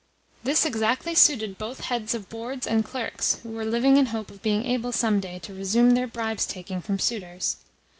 This exactly suited both heads of boards and clerks who were living in hope of being able some day to resume their bribes taking from suitors.